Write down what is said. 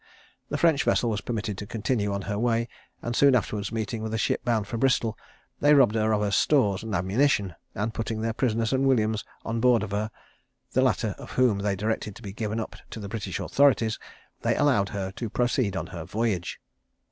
The French vessel was permitted to continue on her way; and soon afterwards meeting with a ship bound for Bristol, they robbed her of her stores and ammunition, and putting their prisoners and Williams on board of her, the latter of whom they directed to be given up to the British authorities, they allowed her to proceed on her voyage.